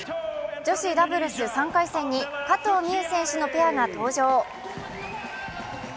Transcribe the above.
女子ダブルス３回戦に加藤未唯選手のペアが登場。